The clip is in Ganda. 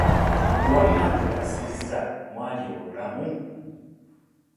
Wamma nkakasizza mwalya obulamu!